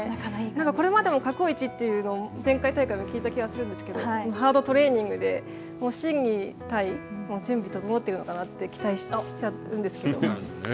これまでも過去一というのは前回大会も聞いた気がするんですけどハードトレーニングで心技体、準備が整っているのかなと期待しちいいんですか。